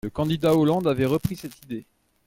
Le candidat Hollande avait repris cette idée.